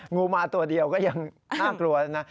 งูมาตัวเดียวก็ยังน่ากลัวนะ